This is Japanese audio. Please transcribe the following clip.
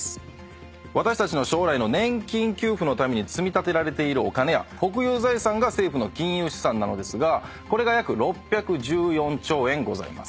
私たちの将来の年金給付のために積み立てられているお金や国有財産が政府の金融資産なのですがこれが約６１４兆円ございます。